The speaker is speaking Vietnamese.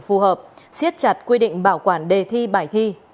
phù hợp siết chặt quy định bảo quản đề thi bài thi